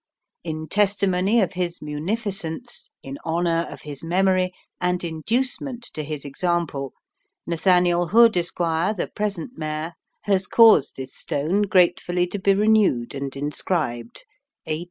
In testimony of his Munificence, in honour of his Memory, and inducement to his Example, Nathl. Hood, Esq., the present Mayor, has caused this stone, gratefully to be renewed, and inscribed, A.